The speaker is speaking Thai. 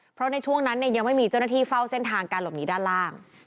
เพราะในช่วงนั้นยังไม่มีเจ้าหน้าที่เฝ้าเส้นทางการหลบหนีด้านล่าง